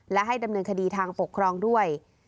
และให้ดำเนินคดีทางปกครองด้วย